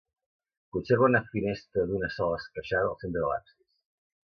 Conserva una finestra d'una sola esqueixada al centre de l'absis.